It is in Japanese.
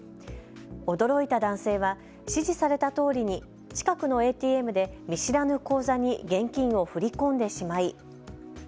驚いた男性は指示されたとおりに近くのＡＴＭで見知らぬ口座に現金を振り込んでしまい。